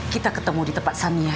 kita ketemu di tempat sana ya